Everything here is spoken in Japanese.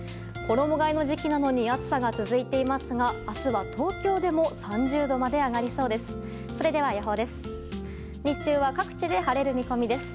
衣替えの時期なのに暑さが続いていますが明日は、東京でも３０度まで上がりそうです。